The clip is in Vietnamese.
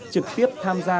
trực tiếp tham gia